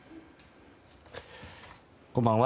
こんばんは。